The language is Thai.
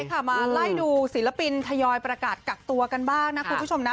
ค่ะมาไล่ดูศิลปินทยอยประกาศกักตัวกันบ้างนะคุณผู้ชมนะ